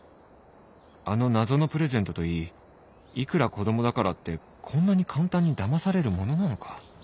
あの謎のプレゼントといいいくら子供だからってこんなに簡単にだまされるものなのか？